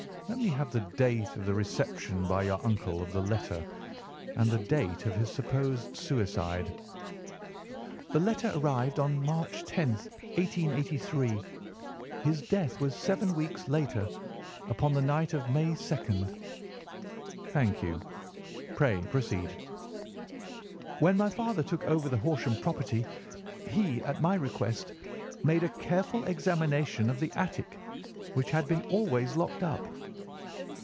Let me have the date of the reception by your uncle of the letter, and the date of his supposed suicide." "The letter arrived on March 10, 1883. His death was seven weeks later, upon the night of May 2nd." "Thank you. Pray proceed." "When my father took over the Horsham property, he, at my request, made a careful examination of the attic, which had been always locked up.